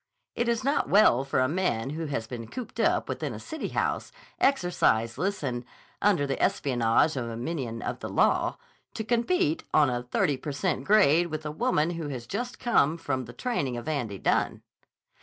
It is not well for a man who has been cooped up within a city house, exerciseless and under the espionage of a minion of the law, to compete on a thirty per cent grade with a woman who has just come from the training of Andy Dunne.